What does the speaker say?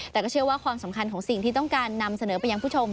แต่ก็เชื่อว่าความสำคัญของสิ่งที่ต้องการนำเสนอไปยังผู้ชม